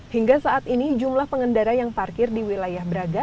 hingga saat ini jumlah pengendara yang parkir di wilayah braga